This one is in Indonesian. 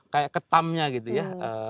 kayak ketamnya gitu ya